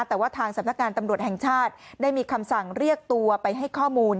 แต่ว่าทางสำนักงานตำรวจแห่งชาติได้มีคำสั่งเรียกตัวไปให้ข้อมูล